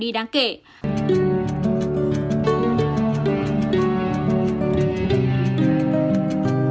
hãy đăng ký kênh để ủng hộ kênh của mình nhé